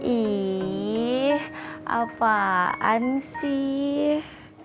ih apaan sih